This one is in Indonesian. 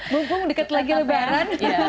mumpung dekat lagi lebaran